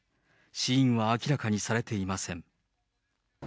死因は明らかにされていません。